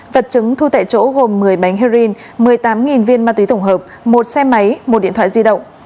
vật chứng thu tại chỗ gồm một mươi bánh heroin một mươi tám viên ma túy tổng hợp một xe máy một điện thoại di động